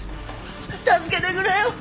助けてくれよ。